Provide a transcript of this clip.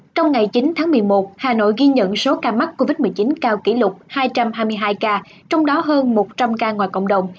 trong ngày chín tháng một mươi một hà nội ghi nhận số ca mắc covid một mươi chín cao kỷ lục hai trăm hai mươi hai ca trong đó hơn một trăm linh ca ngoài cộng đồng